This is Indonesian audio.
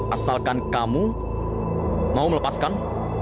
asalkan kamu mau melepaskan